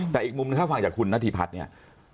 แต่อีกมุมหนึ่งถ้าฟังจากคุณนาธิพัฒน์เนี่ย